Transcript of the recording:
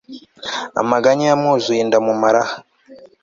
amaganya yamwuzuye inda mu maraha